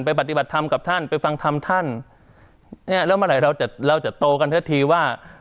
ไปปฏิบัติธรรมกับท่านไปฟังธรรมท่านแล้วเมื่อไหร่เราจะโตกันเท่าที่ว่า